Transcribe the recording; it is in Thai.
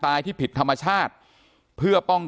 การแก้เคล็ดบางอย่างแค่นั้นเอง